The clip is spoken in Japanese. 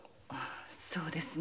そうですね。